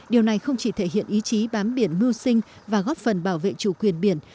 điều này không chỉ thể hiện ý chí bám biển mưu sinh và góp phần bảo vệ chủ quyền biển